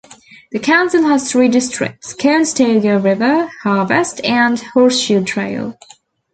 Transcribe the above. The council has three districts: Conestoga River, Harvest, and Horse-Shoe Trail.